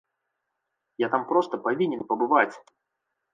Я там проста павінен пабываць.